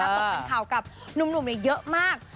ตกเป็นข่าวกับหนุ่มเยอะมาก